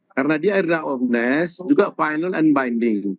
karena dia erga omnes juga final and binding